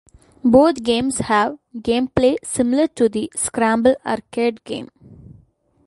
Both games have gameplay similar to the "Scramble" arcade game.